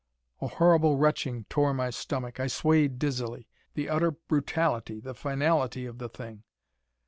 A horrible retching tore my stomach; I swayed dizzily. The utter brutality, the finality of the thing!